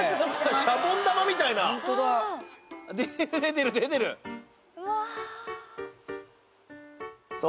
シャボン玉みたいなホントだ出てる出てる出てるわあ